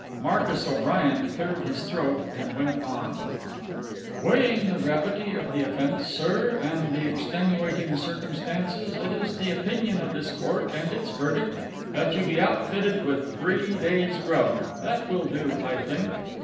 Marcus O'Brien cleared his throat and went on— "Weighing the gravity of the offence, sir, and the extenuating circumstances, it is the opinion of this court, and its verdict, that you be outfitted with three days' grub. That will do, I think."